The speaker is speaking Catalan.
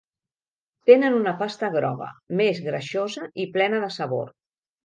Tenen una pasta groga, més greixosa i plena de sabor.